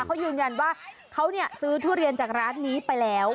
เขายืนยันว่าเขาซื้อทุเรียนจากร้านนี้ไปแล้ว